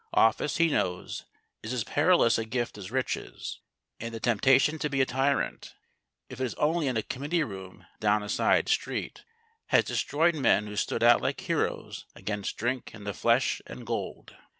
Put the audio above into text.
Office, he knows, is as perilous a gift as riches, and the temptation to be a tyrant, if it is only in a committee room down a side street, has destroyed men who stood out like heroes against drink and the flesh and gold.